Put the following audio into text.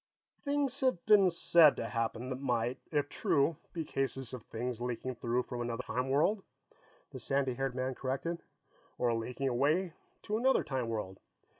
"Things have been said to have happened that might, if true, be cases of things leaking through from another time world," the sandy haired man corrected. "Or leaking away to another time world."